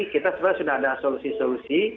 kita sebenarnya sudah ada solusi solusi